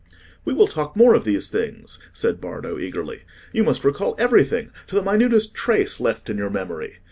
"We will talk more of these things," said Bardo, eagerly. "You must recall everything, to the minutest trace left in your memory.